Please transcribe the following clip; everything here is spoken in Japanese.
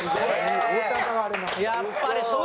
やっぱりそうか。